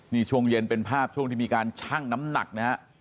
นี่ช่วงเย็นเป็นภาพช่วงที่มีการชั่งน้ำหนักนะฮะ